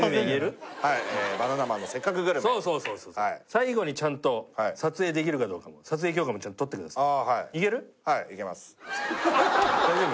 最後にちゃんと撮影できるかどうかも撮影許可もちゃんと取ってください